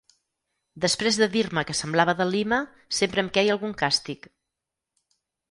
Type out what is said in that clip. Després de dir-me que semblava de Lima sempre em queia algun càstig.